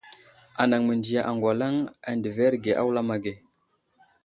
Anaŋ məndiya aŋgalaŋ adəverge a wulam age.